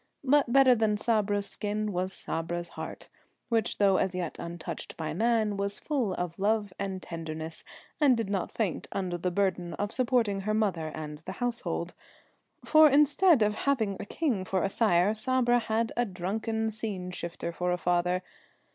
But better than Sabra's skin was Sabra's heart, which though as yet untouched by man was full of love and tenderness, and did not faint under the burden of supporting her mother and the household. For instead of having a king for a sire, Sabra had a drunken scene shifter for a father.